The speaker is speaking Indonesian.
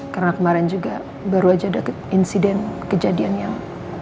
karena kemarin juga baru aja ada insiden kejadian yang